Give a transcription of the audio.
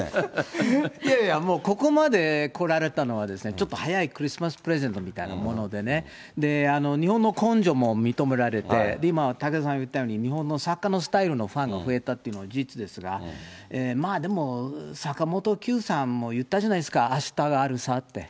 いやいやもう、ここまで来られたのは、ちょっと早いクリスマスプレゼントみたいなものでね、日本の根性も認められて、今、武田さんが言ったように、日本のサッカーのスタイルのファンも増えたっていうのは事実ですが、まあでも、坂本九さんも言ったじゃないですか、あしたがあるさって。